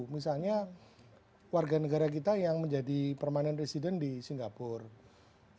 misalnya warganegara kita yang menjadi permanent resident di singapura